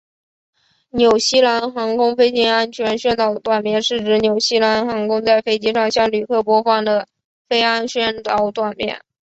纽西兰航空飞行安全宣导短片是指纽西兰航空在飞机上向旅客播映的飞安宣导影片。